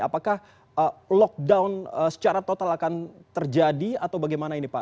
apakah lockdown secara total akan terjadi atau bagaimana ini pak